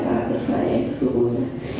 kehadir saya yaitu subuhnya